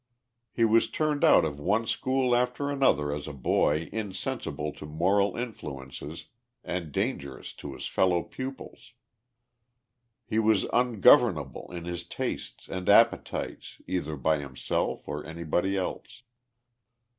He was turned out of one school after another as a boy insensible to moral influences and dangerous to bis fellow pupils. He was ungovernable in his tastes and appetites either by himself or anybody else.